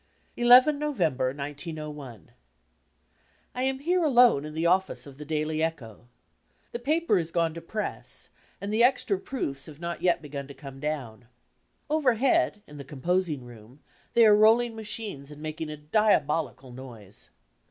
II November, 1901 I am here atone in the office of the Daily Echo. The paper is gone to press and the extra proofs have not yet begun to come down. Overhead, in the composing room, they are rolling machines and making a diabolical noise.